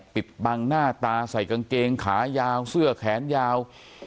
ปิดบังหน้าตาใส่กางเกงขายาวเสื้อแขนยาว